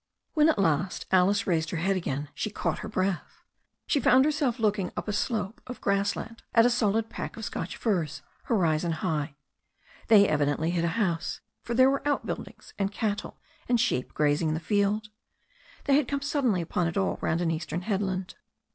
When, at last, Alice raised her head again, she caught her breath. She found herself looking up a slope of grass land at a solid pack of Scotch firs, horizon high. They evidently hid a house, for there were outbuildings, and cattle and sheep grazing in the field. They had come suddenly upon it all round an eastern headland.